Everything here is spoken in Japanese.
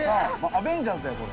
「アベンジャーズ」だよこれ。